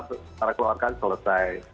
cara keluarkan selesai